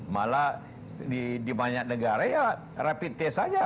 malah di banyak negara ya rapid test saja